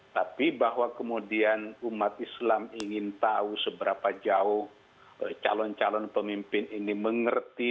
tapi bahwa kemudian umat islam ingin tahu seberapa jauh calon calon pemimpin ini mengerti